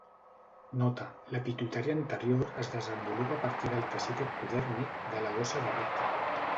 Nota: La pituïtària anterior es desenvolupa a partir de teixit ectodèrmic de la bossa de Rathke.